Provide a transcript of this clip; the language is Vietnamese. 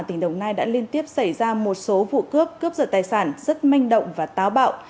tỉnh đồng nai đã liên tiếp xảy ra một số vụ cướp cướp giật tài sản rất manh động và táo bạo